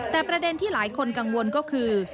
แต่ประเด็นที่หลายคนกังวลก็คือ